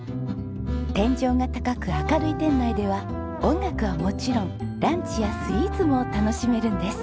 天井が高く明るい店内では音楽はもちろんランチやスイーツも楽しめるんです。